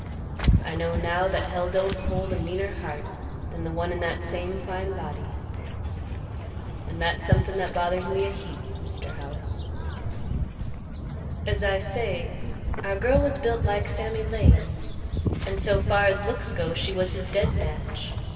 I know now that Hell don't hold a meaner heart than the one in that same fine body. And that's somethin' that bothers me a heap, Mr. Howitt. "As I say, our girl was built like Sammy Lane, and so far as looks go she was his dead match.